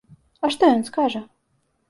А што ён скажа?